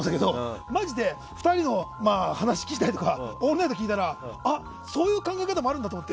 マジで２人の話を聞いたりとか「オールナイト」聞いたらあ、そういう考え方もあるんだって思って。